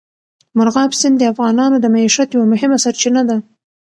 مورغاب سیند د افغانانو د معیشت یوه مهمه سرچینه ده.